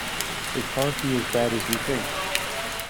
It can't be as bad as you think.